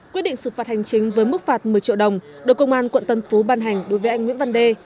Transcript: quyết định xử phạt hành chính với mức phạt một mươi triệu đồng được công an quận tân phú ban hành đối với anh nguyễn văn đê